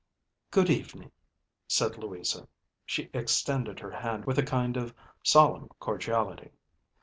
ďGood evening," said Louisa. She extended her hand with a kind of solemn cordiality.